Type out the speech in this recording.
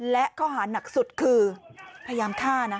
และข้อหานักสุดคือพยายามฆ่านะ